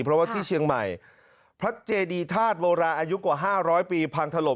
เพราะว่าที่เชียงใหม่พระเจดีธาตุโวราอายุกว่า๕๐๐ปีพังถล่ม